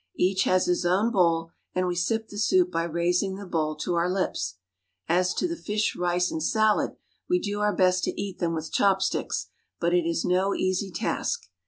Each has his own bowl, and we sip the soup by raising the bowl to our lips. As to the fish, rice, and salad, we do our best to eat them with chopsticks, but it is no easy task.